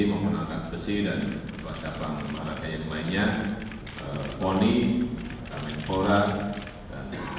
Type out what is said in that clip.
membenarkan besi dan ketua capang pemahara kayak mainnya poni kemenpora dan put